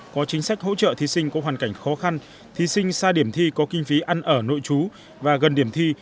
có chính sách hỗ trợ thí sinh có hoàn cảnh khó khăn thí sinh xa điểm thi có kinh phí ăn ở nội chú và gần điểm thi